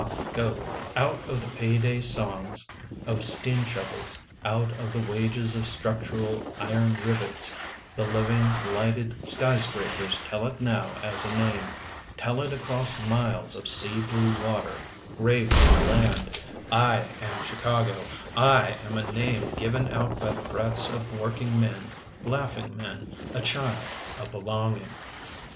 3 4 The Windy City Out of the payday songs of steam shovels, Out of the wages of structural iron rivets, The living lighted skyscrapers tell it now as a name, Tell it across miles of sea blue water, gray blue land: I am Chicago, I am a name given out by the breaths of working men, laughing men, a child, a belonging.